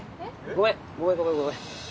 ごめんごめんごめんごめん